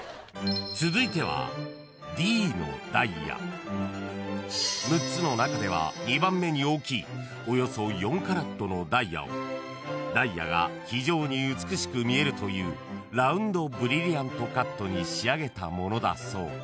［続いてはＤのダイヤ］［６つの中では２番目に大きいおよそ４カラットのダイヤをダイヤが非常に美しく見えるというラウンドブリリアントカットに仕上げたものだそう］